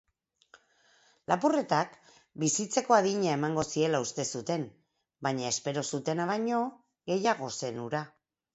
Lapurretak bizitzeko adina emango ziela uste zuten baina espero zutena baino gehiago zen hura.